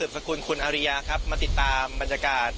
ครับคุณสุภคุณคุณอาริยะมาติดตามบรรยากาศ